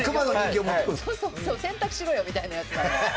洗濯しろよみたいなやつが。